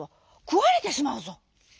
くわれてしまうぞ」。